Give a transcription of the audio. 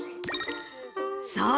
そう！